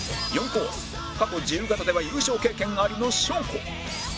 過去自由形では優勝経験ありの祥子